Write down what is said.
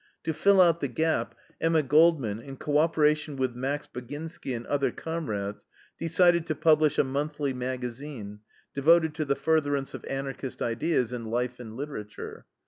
To fill out the gap Emma Goldman, in co operation with Max Baginski and other comrades, decided to publish a monthly magazine devoted to the furtherance of Anarchist ideas in life and literature.